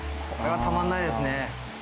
これはたまんないですね